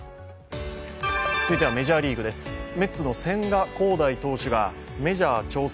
続いてはメジャーリーグです、メッツの千賀滉大選手がメジャー挑戦